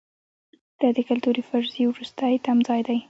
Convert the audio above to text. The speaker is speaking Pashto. دا د کلتوري فرضیې وروستی تمځای دی.